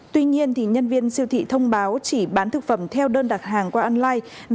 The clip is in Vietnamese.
tuy nhiên nhân viên siêu thị thông báo chỉ bán thực phẩm theo đơn đặt hàng qua online